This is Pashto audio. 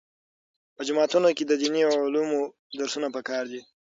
په جوماتونو کې د دیني علومو درسونه پکار دي.